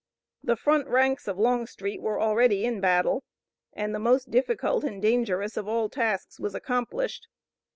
The front ranks of Longstreet were already in battle, and the most difficult and dangerous of all tasks was accomplished.